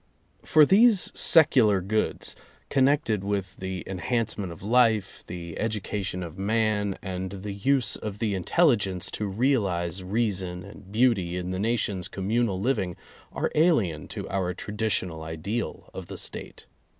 For these secular goods, connected with the en hancement of life, the education of man and the [ H7] use of the intelligence to realize reason and beauty in the nation's communal living, are alien to our traditional ideal of the State.